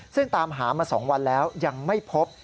ซึ่งตามหามา๒วันแล้วยังไม่พบ